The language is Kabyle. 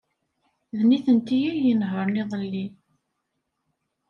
D nitenti ay inehṛen iḍelli.